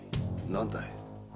何だい？